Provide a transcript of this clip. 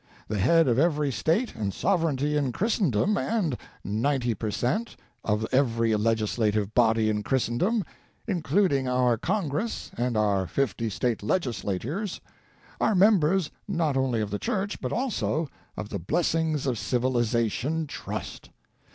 The Head of every State and Sovereignty in Christendom and TO THE PERSON SITTING IN DARKNESS. 175 ninety per cent, of every legislative body in Christendom, includ ing our Congress and our fifty State Legislatures, are members not only of the church, but also of the Blessings of Civilization Trust.